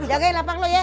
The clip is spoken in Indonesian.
jagain lapak lo ya